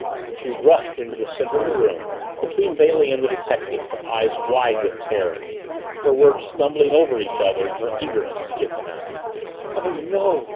She rushed into the center of the room, between Bailey and the detective, her eyes wild with terror, her words stumbling over each other in her eagerness to get them out. "Oh, no!